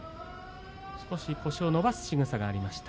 少し腰を伸ばすしぐさがありました。